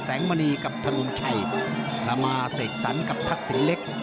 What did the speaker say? แสงมณีกับธรรมชัยละมาเสกสรรกับทักษิเล็ก